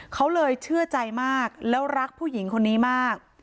เขาเลยเชื่อใจมากแล้วรักผู้หญิงคนนี้มาก